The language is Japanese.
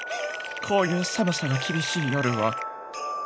こういう寒さが厳しい夜は。